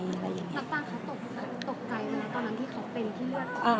บางครับตกใจไหมนะตอนนั้นที่เขาเป็นที่เลือก